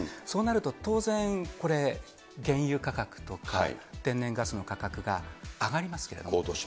そうなると当然、これ、原油価格とか天然ガスの価高騰しますね。